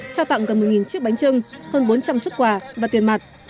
trao tặng gần một chiếc bánh trưng hơn bốn trăm linh xuất quà và tiền mặt